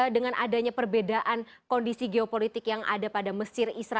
dengan adanya perbedaan kondisi geopolitik yang ada pada mesir israel